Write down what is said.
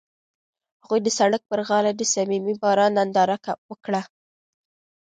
هغوی د سړک پر غاړه د صمیمي باران ننداره وکړه.